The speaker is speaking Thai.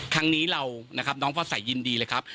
ครั้งนี้เรานะครับน้องพ่อสายยินดีเลยครับ